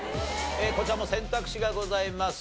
こちらも選択肢がございます。